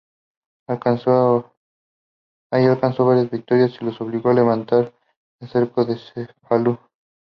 Allá alcanzó varias victorias, y los obligó a levantar el cerco de Cefalú.